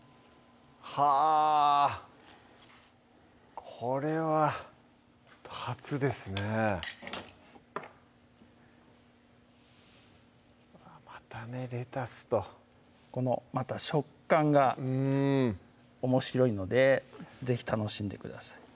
はぁこれは初ですねまたねレタスとこのまた食感がおもしろいので是非楽しんでください